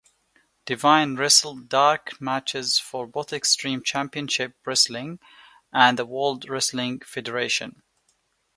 Devine wrestled dark matches for both Extreme Championship Wrestling and the World Wrestling Federation.